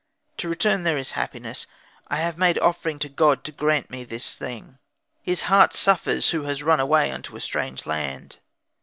To return there is happiness. I have made offering to God, to grant me this thing. His heart suffers who has run away unto a strange land.